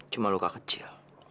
cuma luka kecil